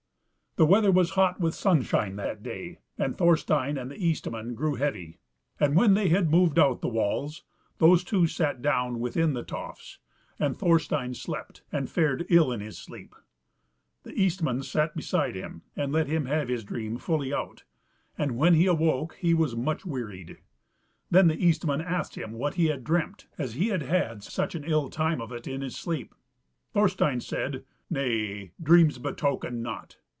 The weather was hot with sunshine that day, and Thorstein and the Eastman grew heavy; and when they had moved out the walls, those two sat down within the tofts, and Thorstein slept, and fared ill in his sleep. The Eastman sat beside him, and let him have his dream fully out, and when he awoke he was much wearied. Then the Eastman asked him what he had dreamt, as he had had such an ill time of it in his sleep. Thorstein said, "Nay, dreams betoken nought."